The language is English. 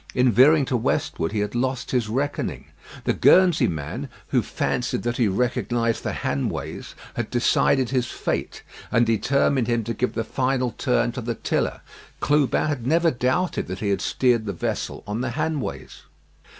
In veering to westward he had lost his reckoning. The Guernsey man, who fancied that he recognised the Hanways, had decided his fate, and determined him to give the final turn to the tiller. Clubin had never doubted that he had steered the vessel on the Hanways.